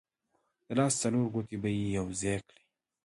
د لاس څلور ګوتې به یې یو ځای کړې.